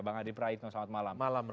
bang adi praitno selamat malam